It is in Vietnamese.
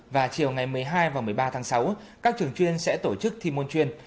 và chiều ngày một mươi hai và một mươi ba tháng sáu các trường chuyên sẽ tổ chức thi môn chuyên